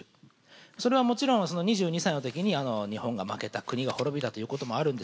それはもちろんその２２歳の時に日本が負けた国が滅びたということもあるんですが。